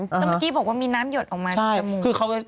แต่เมื่อกี้บอกว่ามีน้ำหยดออกมาจมูกใช่